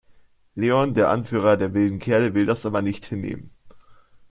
Leon, der Anführer der Wilden Kerle, will das aber nicht hinnehmen.